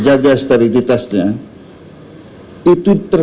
sayang about kelab dan airline